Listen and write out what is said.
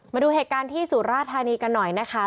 มาดูเหตุการณ์ที่สุราธานีกันหน่อยนะคะ